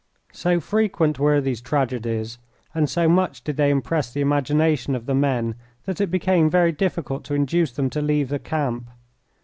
So frequent were these tragedies, and so much did they impress the imagination of the men, that it became very difficult to induce them to leave the camp.